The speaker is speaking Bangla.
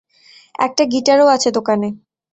একটা গিটারও আছে দোকানে।